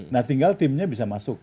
nah tinggal timnya bisa masuk